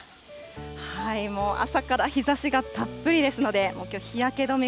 もう朝から日ざしがたっぷりですので、きょう、日焼け止め